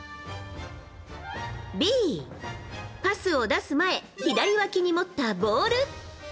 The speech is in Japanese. Ｂ、パスを出す前左わきに持ったボール。